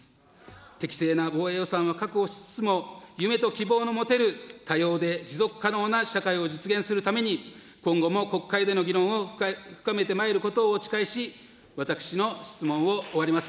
適正な防衛予算は確保しつつも夢と希望の持てる多様で持続可能な社会を実現するために、今後も国会での議論を深めてまいることをお誓いし、私の質問を終わります。